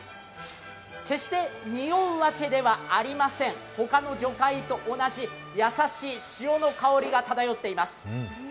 決して、におうわけではありません他の魚介と同じ優しい潮の香りが漂っています。